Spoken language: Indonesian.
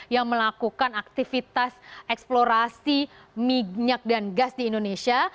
yang melakukan aktivitas eksplorasi minyak dan gas di indonesia